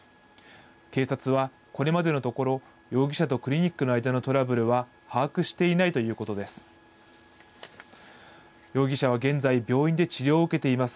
警察はこれまでのところ、容疑者とクリニックの間のトラブルは把握していないということです。